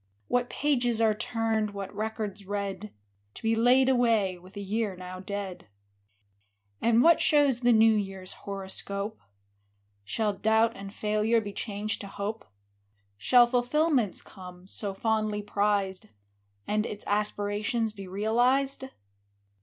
What pages are turned, what records read. To be laid away with the year now dead ? And what shows the new year's horoscope? Shall doubt and failure be changed to hope? Shall fulfilments come, — so fondly prized, — And its aspirations be realized